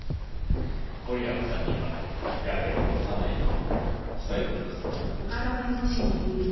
森山さんにはやけを起こさないよう伝えてください。